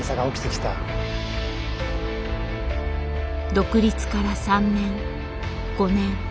独立から３年５年。